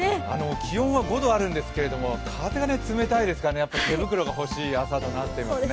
気温は５度あるんですけど風が冷たいですからやっぱり手袋が欲しい朝となっていますね。